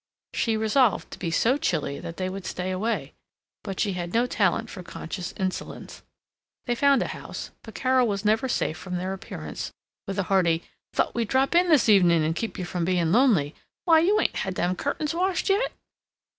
She resolved to be so chilly that they would stay away. But she had no talent for conscious insolence. They found a house, but Carol was never safe from their appearance with a hearty, "Thought we'd drop in this evening and keep you from being lonely. Why, you ain't had them curtains washed yet!"